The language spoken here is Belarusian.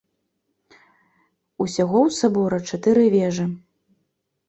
Усяго ў сабора чатыры вежы.